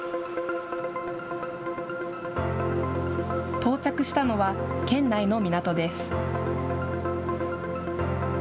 到着したのは、県内の港です。